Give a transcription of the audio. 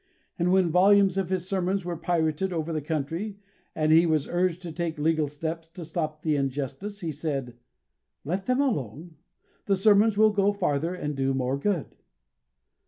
And when volumes of his sermons were pirated over the country, and he was urged to take legal steps to stop the injustice, he said: "Let them alone; the sermons will go farther and do more good."